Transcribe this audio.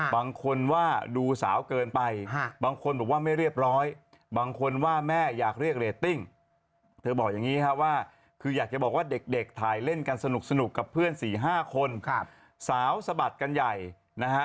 บางคนว่าดูสาวเกินไปบางคนว่าไม่เรียบร้อยบางคนว่าแม่อยากเรียกเรตติ้ง